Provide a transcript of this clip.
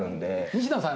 西野さん。